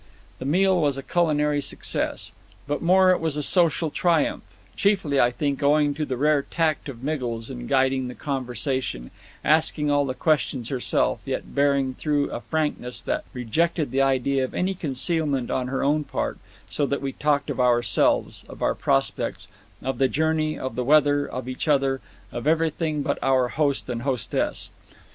The meal was a culinary success. But more, it was a social triumph chiefly, I think, owing to the rare tact of Miggles in guiding the conversation, asking all the questions herself, yet bearing throughout a frankness that rejected the idea of any concealment on her own part, so that we talked of ourselves, of our prospects, of the journey, of the weather, of each other of everything but our host and hostess.